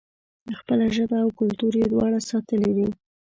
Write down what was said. خپله ژبه او کلتور یې دواړه ساتلي دي.